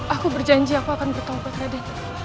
aku berjanji aku akan bertolak ke raden